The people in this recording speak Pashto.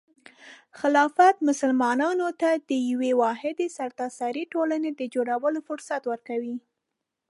خلافت مسلمانانو ته د یوې واحدې سرتاسري ټولنې د جوړولو فرصت ورکوي.